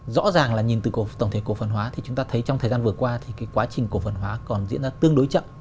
rõ ràng là nhìn từ tổng thể cổ phần hóa thì chúng ta thấy trong thời gian vừa qua thì cái quá trình cổ phần hóa còn diễn ra tương đối chậm